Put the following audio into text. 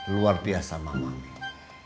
luar biasa mamih